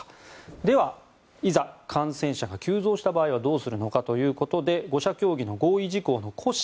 では、いざ感染者が急増した場合はどうするのかということで５者協議の合意事項の骨子